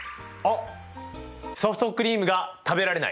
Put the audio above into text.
ソフトクリームが食べられない。